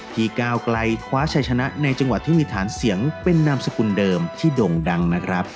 ก้าวไกลคว้าชัยชนะในจังหวัดที่มีฐานเสียงเป็นนามสกุลเดิมที่ด่งดังนะครับ